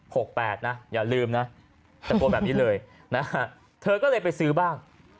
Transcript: หกแปดนะอย่าลืมนะแต่กลัวแบบนี้เลยเธอก็เลยไปซื้อบ้าง